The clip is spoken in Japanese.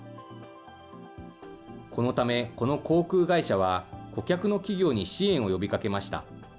このため、この航空会社は、顧客の企業に支援を呼びかけました。